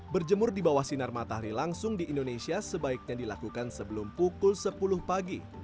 berjemur di bawah sinar matahari langsung di indonesia sebaiknya dilakukan sebelum pukul sepuluh pagi